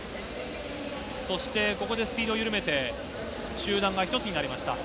そしてここでスピードを緩めて、集団が一つになりました。